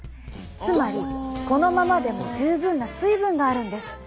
つまりこのままでも十分な水分があるんです。